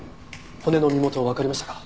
骨の身元わかりましたか？